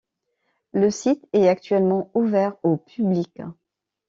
Le site est actuellement ouvert au public.